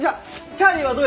チャーリー。